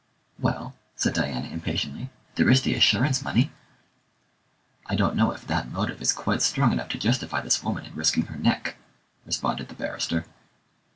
"Well," said Diana impatiently, "there is the assurance money." "I don't know if that motive is quite strong enough to justify this woman in risking her neck," responded the barrister.